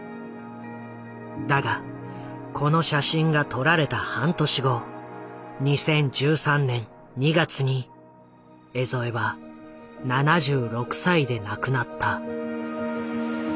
だがこの写真が撮られた半年後２０１３年２月に江副は７６歳で亡くなった。